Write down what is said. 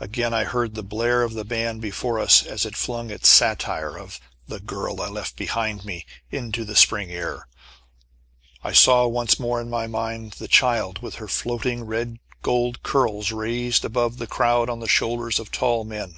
Again I heard the blare of the band before us as it flung its satire of "The Girl I Left Behind Me," into the spring air. I saw once more in my mind the child, with her floating red gold curls, raised above the crowd on the shoulders of tall men.